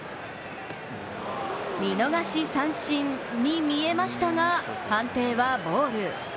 見逃し三振に見えましたが、判定はボール。